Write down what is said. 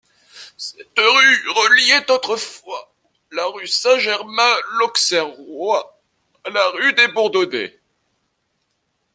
Cette rue reliait autrefois la rue Saint-Germain-l'Auxerrois à la rue des Bourdonnais.